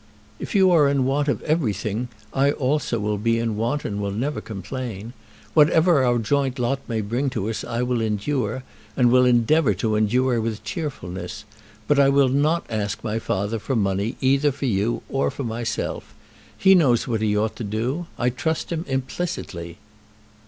"If you are in want of everything, I also will be in want and will never complain. Whatever our joint lot may bring to us I will endure, and will endeavour to endure with cheerfulness. But I will not ask my father for money, either for you or for myself. He knows what he ought to do. I trust him implicitly."